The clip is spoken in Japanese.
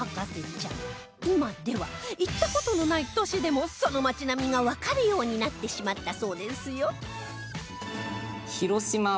今では行った事のない都市でもその街並みがわかるようになってしまったそうですよ